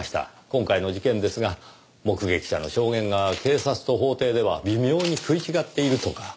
今回の事件ですが目撃者の証言が警察と法廷では微妙に食い違っているとか。